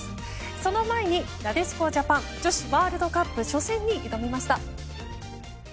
その前に、なでしこジャパン。女子ワールドカップ初戦に挑みました。